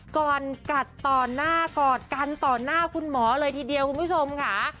ก่อนกัดต่อหน้ากอดกันต่อหน้าคุณหมอเลยทีเดียวคุณผู้ชมค่ะ